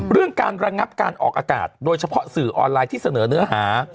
เรื่องการระงับการออกอากาศโดยเฉพาะสื่อออนไลน์ที่เสนอเนื้อหา